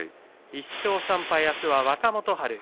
１勝３敗、あすは若元春。